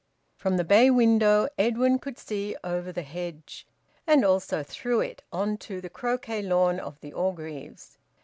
From the bay window Edwin could see over the hedge, and also through it, on to the croquet lawn of the Orgreaves.